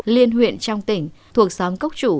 liên huyện trong tỉnh thuộc xóm cốc chủ